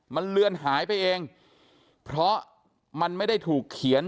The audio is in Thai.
มันเลือนหายไปเองเพราะมันไม่ได้ถูกเขียน